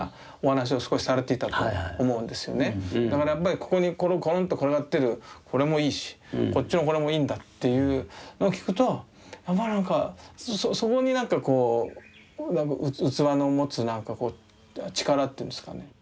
だからやっぱりここにこのころんと転がってるこれもいいしこっちのこれもいいんだっていうのを聞くとやっぱりそこになんかこう器の持つ力っていうんですかね。